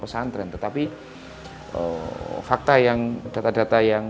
saya tetap berdoa